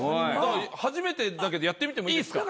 初めてだけどやってみてもいいですか？